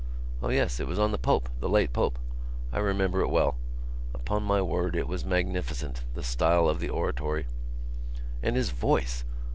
O yes, it was on the Pope, the late Pope. I remember it well. Upon my word it was magnificent, the style of the oratory. And his voice!